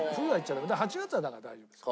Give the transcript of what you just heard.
８月はだから大丈夫です。